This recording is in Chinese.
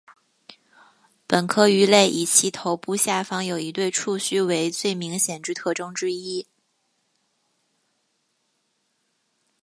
本科鱼类以其头部下方有一对触须为最明显之特征之一。